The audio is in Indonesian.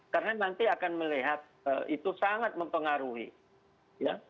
karena nanti akan melihat itu sangat mempengaruhi ya